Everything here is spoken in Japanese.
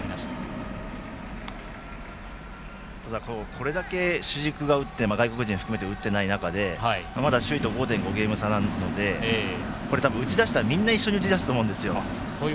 これだけ主軸が打って外国人を含めて打ってない中で首位と５．５ゲーム差なので打ち出したらみんな一緒に打ち出すと思うんですよ。